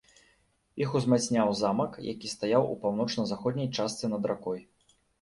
Іх узмацняў замак, які стаяў у паўночна-заходняй частцы над ракой.